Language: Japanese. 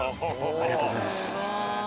ありがとうございます